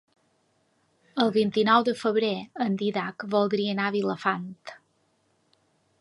El vint-i-nou de febrer en Dídac voldria anar a Vilafant.